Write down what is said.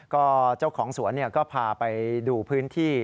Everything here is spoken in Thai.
ก็เจ้าของสวนก็พาไปดูพื้นที่